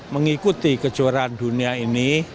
mengikuti kejuaraan dunia ini